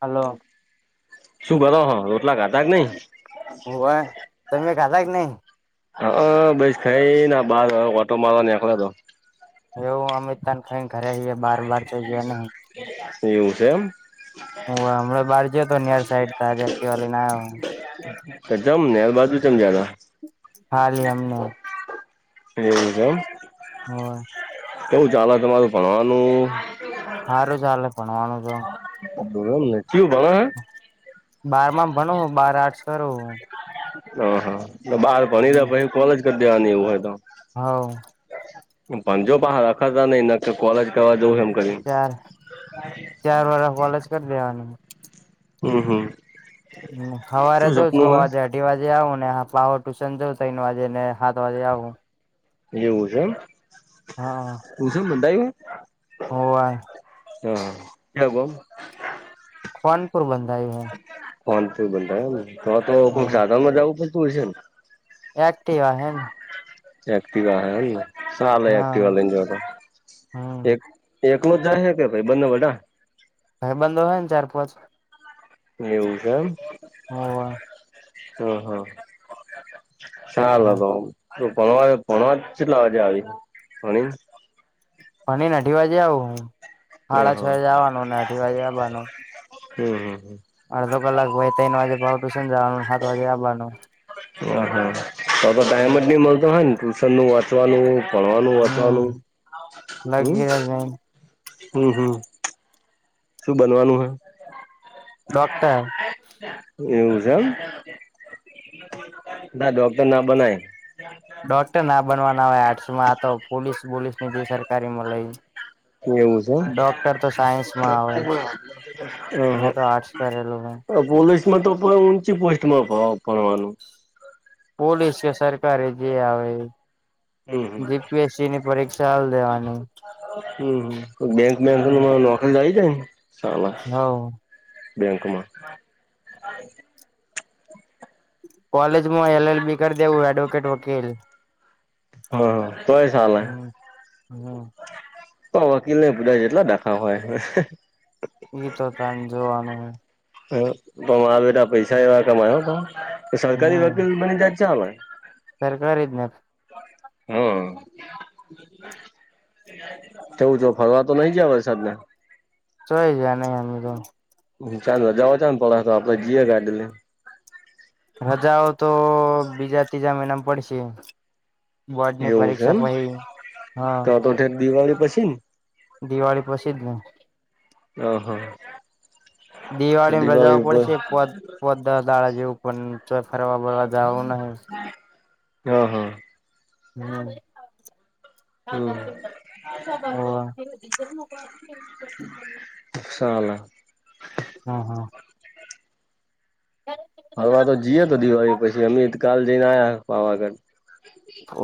Hello શું કરો હ રોટલા ખાધા કે નઈ- તોમેં [unintelligible] ખાલા કે નહી. હા બસ ખાઈને બાર આટો મારવા નિકળ્યો હતો. એવું અમિતતાન કઈ ઘરે જઈએ બાર બાર તો જયા નહી. એવું છે એમ- હ હ બારજ તો નીયર સાઈડ થ આજ વા ના- જમ નેર બાજ જ જા [inaudible] હાલી એમ એ જોમ, હ કેવું ચાલે તમારું ભણવાનું? સારું ચાલે ભણવાનું છે. [unintelligible] બાર માં ભણો બાર આર્ટસ કરુ. હ હા! બહાર ભણી રહ્યા પછી, કોલેજ કરી દેવાની એવું હોય તો હા! ભણજો બહાર રખાતા નહી ન કોલેજ કરવા જવું એમ કરી. ચાર ચાર વારહ કોલેજ કરી દેવાની. હમ હા! હ હવારે રોજ છો વાજે. અઢી વાજે આવું ને. પાવ ટ્યુશન જવું તોને વાગે ને સાત વાગે આવું. જેવું છે એમ હ? હા છે એમ [inaudible] હોવે હા હું. ખાનપુર બંધાયું હ. ફન તો બનતાને? તો તો હે કોઈક સાધનમાં જું પડતું હોય છે ને.? એક્ટવા છે હે. એક્ટીવા છે એમ ને સાલે્ હા એકટીવા લઈ એ ને જાવ હમ એક. એકલો જાય છે કે? ભાઈ બંને બડા? હ ભાઇબંધો હોય ને ચાર પાંચ. એ વું છેમ? હોવે હમ હા! ચાલ ઓહો તો. ભવા ભણવા કેટલા વાજે આવી ભણી? ભણી ને અઢી વાજે આવું હું. હ સાાડા છ હા વાજે જવવાનું ને અઢી વાજે આવવાનું. હમ હમ! અડધો કલાક રય તન વાજે પાછ ટુશન જાવાનું સાત વાગે આવવાનું. હ હા તો તો ટાઈમ જ નહી મળતો હોય ને? ટ્યુશન નું વાંચવાનું.? પણવાનું, વાચવાનું હમ! લગી જ હમ! હમ હમ! શું બનવાનું હે? ડોક્ટર [inaudible] એવું છે એમ? દોકટર તો ના બનાય. ડોક્ટર ના બનવાના હોય આર્ટ્સમાં આ તો. પોલીસ બોલીસ ની જે સરકારી મળે. એવું છે ડોક્ટર તો સાયન્સમાં આવે. મે તો આર્ટસ કરેલું હો. પોલીસ માં તો પણ ઊંચી પોસ્ટમાં ભણવાનું. પોલીસ કે, સરકારારે જે આવે. હમ હમ જીપીએસસી ની પરીક્ષા હાલ દેવાની. હમમ બેંક બેંક.? લઈ જાય સાલા હવ બેંકમાં. કોલેજમાં એલ એલ બી કરી દેવું એડવોકેટ વકીલ. હા હ તોય ચાલે. હમ હમ તો વકીલ ન પુધાય એટલા દાખા હોય. એ તો તને જોવાનું હે હા પણ મારા બેટા પૈસા એવા કમાય હ તો સરકારી હમ વકીલ બની જાય તો ચાલે સરકારી જ ને હમ એવું જો ફરવા તો નઈ જયા વરસાદ ને? ચય જ નહી તો. હ જવા છાન પડ હતો આપે જીએ ગાડી લેઈને. રજાઓ તો બીજા ત્રીજા મહિનામાં પડશે. બોર્ડ ની પરીક્ષા પહી હા. ઠ દિવાળી પછી ને? દિવાળી પછી જ નને. [unintelligible] દિવાળી રજાઓ પડસે પાચ [unintelligible] જેવું પણ તો ફરવા બરવા જવું નહી. [unintelligible] [unintelligible] હમ [inaudible] [unintelligible] [inaudible] ફરવા તો જઈતો દિવાળી પછી અમી કાલ જઈને આયા પાવાગઢ.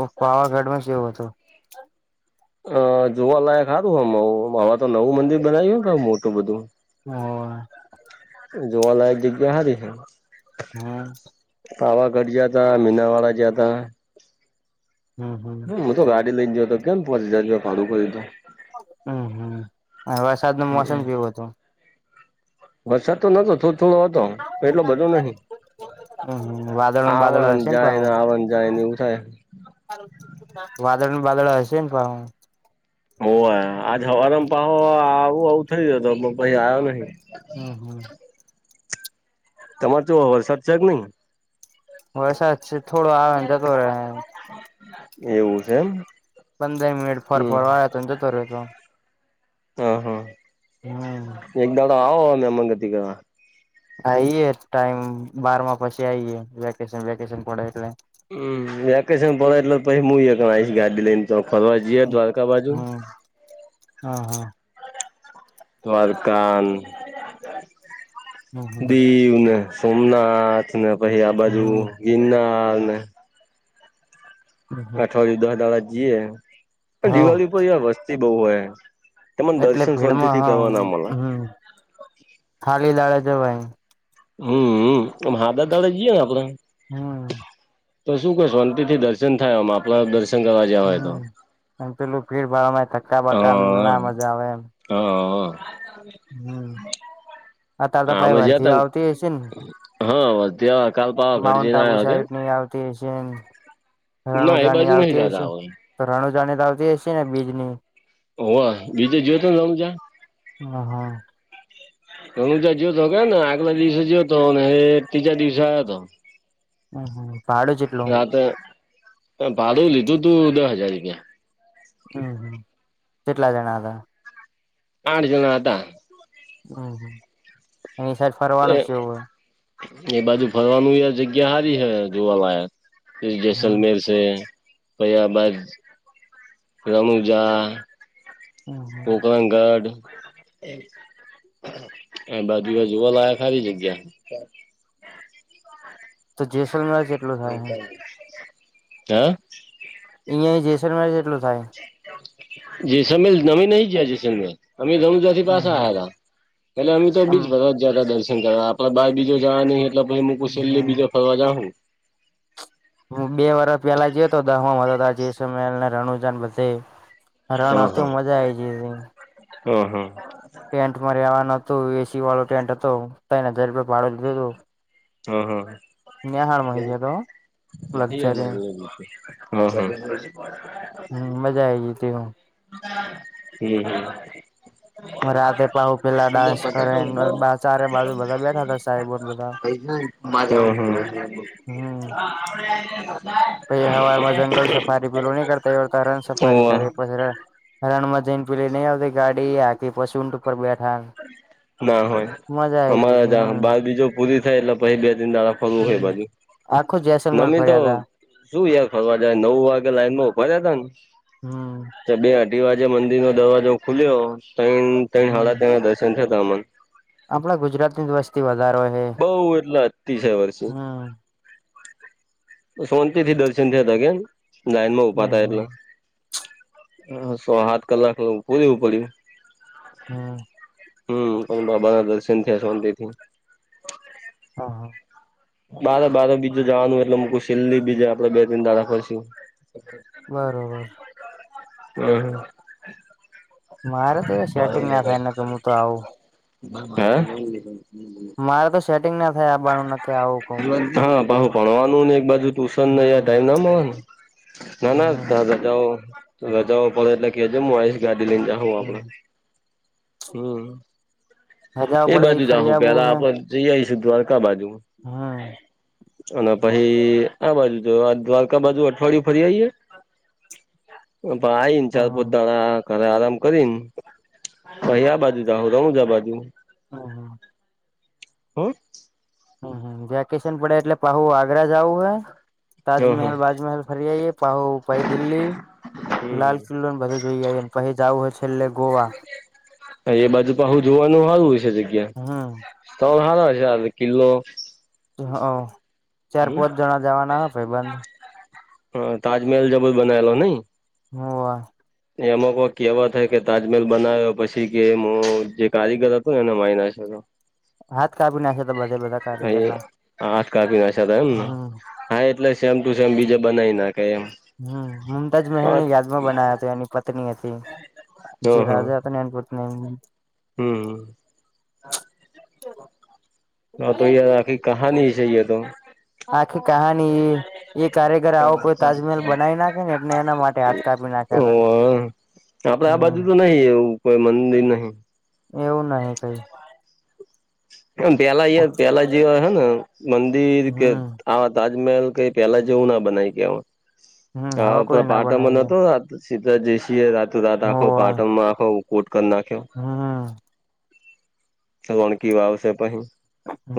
ઓ પાવાગઢમાં જ એવો હતું. અ જોવાલાયક સારું હમ હવે તો નવું મંદિર બનાવ્યું મોટું બધું. [unintelligible] જોવાલાયક જગ્યા હારી છે. હમ. પાવાગઢ ગયા હતા, મીનાવાડા જ્યા તા. હમ, હમ. હું તો ગાડી લઈને ગયો હતો કેમ. [unintelligible] હમ, હમ વરસાદ નું મોસમ કર્યું તું હમ કેવું હતું? વરસાદ તો નતો થોડ થોડો હતો એટલો બધો નહિ. હમ વાદળ બાદળ આવન હશે પાહુ જાયને આવન જાય ને એવું થાય. વાદળ ને વાદળ હશે ને પાહુ. ઓ આજ હવામ પહો આવું આવું થઈ ગય હતો પહી આવ્યો નહિ. હમ હમ. તમારે તો વરસાદ છે કે નહી? વરસાદ છે થોડો આવેન જતો રહે. એવું છે એમ. પંદર મનિટ ફર હમ ફર વાળ્યા જતો રહેતો. હ હા. હમ એક દાડો આવોમે. [unintelligible] આએ ટાઈમ બારમાં પછી આઈ વેકેશન વેકેશન પડે એટલે. હમ વેકેશન પડે એટલે પછી હું આવીશ ગાડી લઈને તો ફરવા જઈએ દ્વારકા બાજુ. હ હા. દ્વારક, હમ દીવને સોમનાથ ને પછી આ બાજુ હમ ગિનારને હમ અઠવાડિયું દસ દડા જઈએે પણ હવ દિવાળી ઉપર વસ્તી બહુ હોય. તને એટલે દર્શન ભીડમાં શાંતીથી હા કરવા ના મલે. હમ ખાલી લાવે છે ભાઈ. હમ‌, ‌ હાદા દાડે જઈએ ને આપણે. હમ. તો શું શાંતીથી દર્શન થાય એમ આપલા દર્શન કરવા જયા હોય તો. હમ એમ પેલું ભીડ ભાડ માં થક્કાબકા હા ના મજા આવે એમ. હા. હમ અત્યારે તો પાઈ આમે ભરતીઓ જયા આવતી હશે ને હ ત્યાં કાલ પાવગઢ જયને આયો કેમ. [unintelligible] ના એ રાણુજની બાજુ નહી આવતી જતા હછે. હવે તો રણુ જાણી તો આવતી હસે ને બીજ ની. ઓ બીજે જોયો? [unintelligible] હ હા. રનુજા જ્યોતો [unintelligible] આગલા દિવસે જ્યો હતો અને એ ત્રીજા દિવસે આયો હતો. હમ હમ ફાડો જેટલુ. ભાડું લીધું તું દસ હજાર રૂપિયા. હમ હમ કેટલા જણા હતા. આઠ જના હતા. અ હ એની સાડ ફરવાનું એ છે એવું હોય- એ બાજુ ફરવાનું જગ્યા સારી છે જોવા માં હોય જેસલમેર- [unintelligible] રણુજા- હમ કોકરાગઢ- એ બાજુ જોવા લાયક સારી જગ્યા. [inaudible] જેસલમેર જેટલું થાય હે એય જેસલમેર કેટલું થાય- જેસલમેર અમે નહિ ગ્યા જેસલમેર અમે રણુજા- પાસે હમ આવ્યા હતા પલે અમી તો આમ બીજ- દર્શન કરવા આપડે બાર બીજે જવા નહી એટલે આપણે હુંકુસેલી બીજો ફરવા જાઉં- હું બે વર્ષ પેલા જયો તો દહમાં વધ જેસલને રણુજન બધે- રણ હતું મજા આવી જ હતી. હમ હમ ટેન્ટ માં રેવાનું હતું એસી વાળો ટેન્ટ હતો તને હજાર રૂપિયા ભાડુ દીધું. આઈ ગયો [unintelligible] તો લક્ઝરી હમ હમ મજા આવી જ હતી હું [inaudible] રાતે પહુ પેલા ડાન્સ કરે ચારે બાજુ બધા બેઠા તા સાઈબો બધા- [inaudible] પછ હવારમાં જંગલ સફારી પેલું નહીં કરતા એમ હમ. રણસફારી કરે પહેલા- હરણમાં જઈનેપે નઈ આવતી ગાડી આ કે પછી ઊંટ ઉપર બેઠા- ના હોય મજા આઈ ગઈ અમારા જ તી બાર બીજો પૂરી થાય એટલે પછી બે તિન દ- હમ આખું જેસલમેર ફર્યા તા [unintelligible] શું યાર ફરવા જાય નવ વાગે લાઈનમાં [unintelligible] હમ બે અઢી વાગે મંદિર નો દરવાજો ખુલ્યો ટઇન સાળા ટઇન ના દર્શન થતા અમને- આપણા ગુજરાત ની વસ્તી વધારે- બઉ એટલા અતિ છે વર્ષે- શાંતિ થી દર્શન થયા હતા કે લાઈન માં હમ ઉભાતા હમ એટલા- હ છ સાત કલાક પૂરવું પડ્યું- હમ- હમ હવે બાબાના દર્શન થીયા શાંતિથી- હા હા બારે બાર બીજે જવાનું એટલે છેલી બીજે આપડે બે ત્રણ જણા જઈશુ. બરોબર હમ [unintelligible] મારે તો એ સેટિંગ ના થાય કે હું તો આવું. [inaudible] મારે તો સેટિંગ ના થાય આ બાણું કે આવું કઉ હા પહુ ભણવાનું ને એક બાજુ ટ્યુશનને હમ ટાઈમ ના ના હમ [unintelligible] જાવ [unintelligible] એટલે કેજ હું આવીશ ગાડી લઈને જા આપડે હમ હમ રજાઓ એ પડે બાજુ ફરી જાહુ આવવું પેલા હે આપડે જઈ આવીશું દ્વારકા બાજુ. હમ ચલો પછી આ બાજુ જો દ્વારકા બાજુ અઠવાડિયું ફરી આઈએે ભાઈ હા હા [unintelligible] ઘરે આરામ કરીન કાલે આ બાજુ જાહુ રણુજા બાજુ હ હા [unintelligible] હમ્મ વેકેશન પડે એટલે પાહુ આ આગરા જાઉું હૈ હ હ તાજમહેલ બાજમહેલ ફરી આઈએ પહુ પાઈ દિલ્હી લાલ હમ કિલ્લો ને બધો જોઈ આને પછી જવું હોય છે એટલે ગોવા એ બાજુ પા હું જોવાનું સારું છે જગ્યા હમ ત સાર હ છે કિલ્લો હ ચાર પોચ જણા જવાના હ ભાઈ બંધ હ તાજમહેલ જબ બનાયેલો નઈ હ વા [inaudible] અમક કેવા થાય કે તાજમહેલ બનાવ્યો પછી કે હું જે કારીગર હતો ને એને મારી નાશ્યો હતો હાથ કાપી નાખ્યા તા બધે બધા હા એ કારીગરના આઠ કપીછ થ એમ હમ હા એટલે સેમ ટુ સેમ બીજે બનાવી નાખે એમ હમ મુમતાજ મહેલ ની હ યાદમાં બના્યા હતા એની પત્ની હતી જે રાજા અન પના એ [inaudible] હમ્મ [unintelligible] હ તો રાખી કહાનની ચએ તો. આખી કહાની એ કારીગર આવો કોઈ તાજમહેલ બનાવી નાખે ને એટને એના માટે હાથ કાપી નાખે ઓ આપડે આ બધું તો નહી એવું કોઈ મંદિર નહી એવું નહી કઈ હ પેલા પેલા જેવા હે ને મંદિર કે હમ હા તાજમહેલ કઈ પેલા જેવું ના બનાય કે હ હમ હવે કોઈ પણ ના પાટણમાં બનાવી દે નતો સીધરા જસી રાત રાત આખો હોવે પાટણમાં આખો કોટક નાખ્યો હમ સણ ક વા આવ છે પહી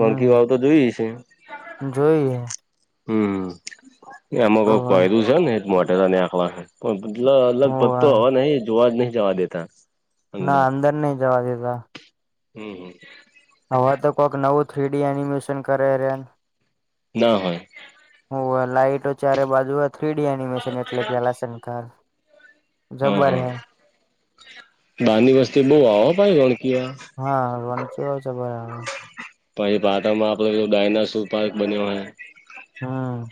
વાકી વાવ તો જોય છે જોઈએ હમ્મ એમાં કોઈ હોવે કહે દું છે ને એ મોટે ને આખલા પણ મતલ અલગ હોવે ભગતો હ ન જોવા જ નહી જવા દેતા ના અંદર નહી જવા દીધા હમ્મ હમ્મ હવે તો કોઈક નવું થ્રી ડી એનિમેશન કરે રહે ને. ના હોય હ લાઈટો ચારે બાજુ હો થ્રીડી એનિમેશન એટલે પેલા શનકાર હા જબર હા હે બાર ની વસ્તી બહ આવવા ભાય ગણકીયા હા વાણકીયો છે બરા [inaudible] પછી પાટણમાં આપડો ડાયના સુ પાર્ક બન્યો ઓહ હા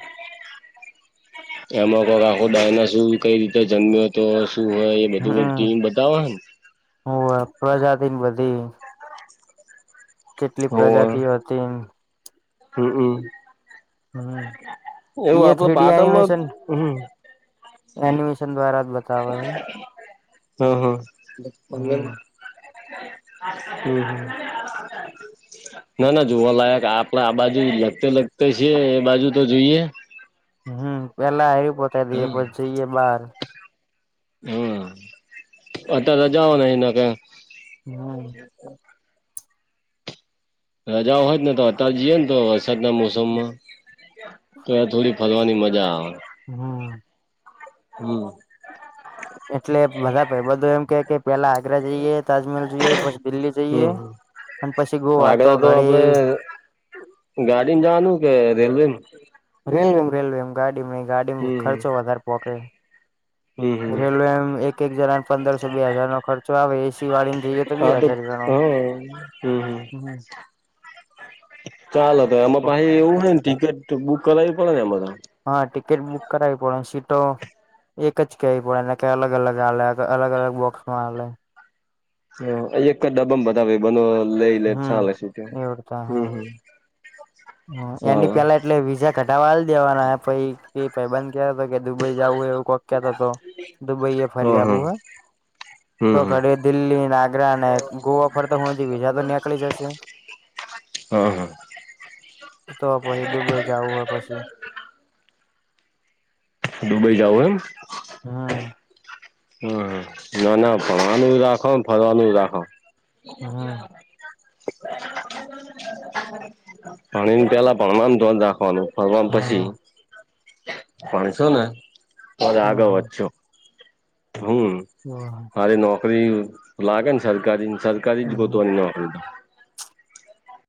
એમાં કોઈક આખો ડાયના શું કઈ રીતે જમ્યો હતો શું હોય એ બધું કોઈક ટીમ બતાવને હુ પ્રજાતિ બધીયે જેટલી પ્રજાતિઓ હતી એ હમ્મ હામ. હમ્મ યે આપડે થ્રીડી પાટણમાં એનિમેશન હમ એનિમેશન દ્વારા બતાવે હે હામ હામ હમ [unintelligible] હામ હામ. ના ના જોવાલાયક આપડે આ બાજુ લગતે લગતે છેએ એ બાજુ તો જોઈએ હમ પેલા એયું પોતા દઈએ હમ પછી જઈએ બાર હમ્મ અત તો જવા ન એ કે હમ્મ [unintelligible] રજા હોય જને તો ત જઈએ ને તો વરસાદના મોસમમાં તો થોડી ફરવાની મજા આવે. હમ હમ્મ. એટલે બધા ભાઈ બધું એમ કે કે પેલા આગ્રા જઈએ તાજમહેલ જઈએ પછી દિલ્હી જઈએ હમ અને પછી ગોવા તો આગળ આપડે ઘડી ગાડીને જવાનું કે રેલવે. રેલવેમ રેલવે એમ ગાડી ન ગાડી હમ ખર્ચો વધારે પોકે. હમ હમ હમ રેલવેમ એક એક જણાને પંદરસો બે હજાર નો ખર્ચો આવે એસી વાળી જઈએ તો બે હજાર [unintelligible] એ હમ્મ હામ. ચાલો તો એમાં પાહિ એવું હોયને ટિકિટ બુક કરાવવી પડે ને એમાં તો. હા ટિકિટ બુક કરાવવી પડે સીટો એક જ કેવી પડે એને કે અલગ અલગ અવે અલગ અલગ બોક્સમાં અવે. હ એક જ ડબામ બતાવે ભાઈ બનો લઈ લે હમ ચાલે સે કે એવડતા હમ હમ. હા એની ચાલે પેલા એટલે વિઝા ઘટાવા દેવાના પાઇ એ ભાઈ બંધ કયા હતા કે દુબઈ જવું હોય એવું કોક કહેતા તો દુબઈ એ ફરી હા હા આવવું હોય. તો હમ હમ ઘડી દિલ્હી ને આગ્રા ને ગોવા ફરતા હું જ બીજા તો નીકળી જશે. હા હા. તો પાહિ દુબઈ જવું હોય પછી દુબઈ જવું હોય [unintelligible] હા. હા ના ના ફરવાનું રાખો ફરવાનું રાખો. હમ [unintelligible] પાણી ની પેલા ભણવાનું ધ્યાન રાખવાનું. ફરવાનું પછી હા ભણસો ને તોજ હમ આગળ હમ વધશો. હમ્મ. [unintelligible] અરે નોકરી લાગે ને સરકારી સરકારી હા જ હા કોતની નોકરી તો.